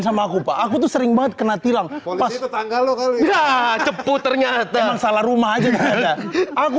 sama aku pak aku tuh sering banget kena tilang pas tanggal ya cepu ternyata salah rumah aja aku